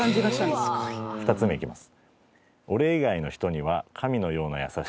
２つ目いきます。